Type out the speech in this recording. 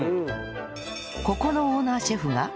ここのオーナーシェフが